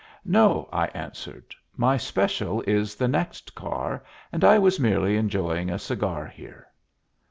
"No," I answered. "My special is the next car, and I was merely enjoying a cigar here."